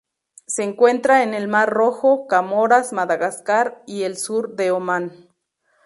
Se encuentra en el Mar Rojo, Comoras, Madagascar y el sur de Omán.